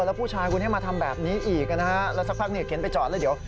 แล้วผู้ชายคนนี้มาทำแบบนี้อีกนะฮะแล้วสักพักเนี่ยเข็นไปจอดแล้วเดี๋ยว